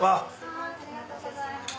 ありがとうございます。